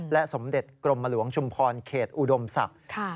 สมเด็จกรมหลวงชุมพรเขตอุดมศักดิ์